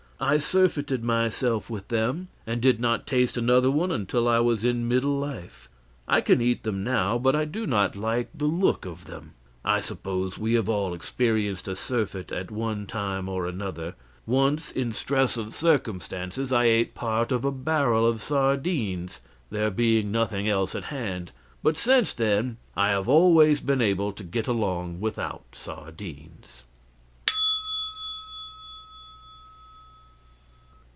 I surfeited myself with them, and did not taste another one until I was in middle life. I can eat them now, but I do not like the look of them. I suppose we have all experienced a surfeit at one time or another. Once, in stress of circumstances, I ate part of a barrel of sardines, there being nothing else at hand, but since then I have always been able to get along without sardines.